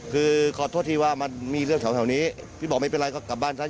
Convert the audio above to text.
คือขอโทษที่ว่ามันมีเรื่องแถวนี้พี่บอกไม่เป็นไรก็กลับบ้านซะ